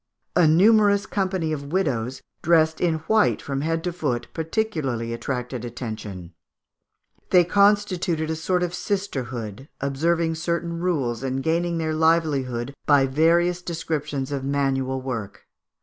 A numerous company of widows, dressed in white from head to foot, particularly attracted attention; they constituted a sort of sisterhood, observing certain rules, and gaining their livelihood by various descriptions of manual work.